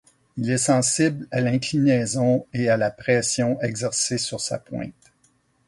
Il est sensible à l'inclinaison et à la pression exercée sur sa pointe.